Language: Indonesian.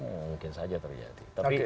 mungkin saja terjadi tapi